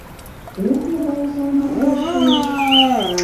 Ух, могай осал мардеж шиеш!..